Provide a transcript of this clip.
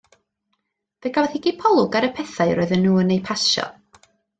Fe gafodd hi gipolwg ar y pethau roedden nhw'n eu pasio.